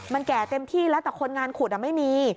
มันแก่เต็มที่แล้วแต่คนงานขุดไม่มี